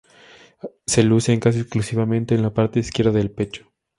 Se lucen casi exclusivamente en la parte izquierda del pecho.